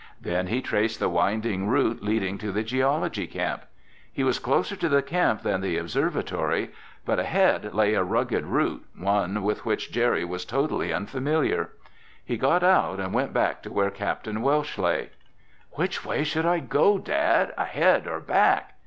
Then he traced the winding route leading to the geology camp. He was closer to the camp than the observatory, but ahead lay a rugged route, one with which Jerry was totally unfamiliar. He got out and went back to where Capt. Welsh lay. "Which way should I go, Dad, ahead or back?"